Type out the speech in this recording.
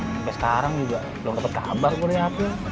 sampai sekarang juga belum dapet kabar gue dari april